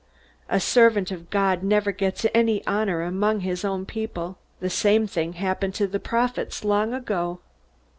A servant of God never gets any honor among his own people. The same thing happened to the prophets long ago.